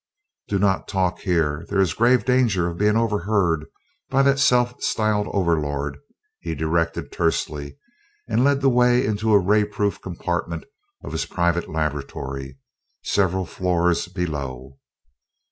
"Do not talk here, there is grave danger of being overheard by that self styled Overlord," he directed tersely, and led the way into a ray proof compartment of his private laboratory, several floors below.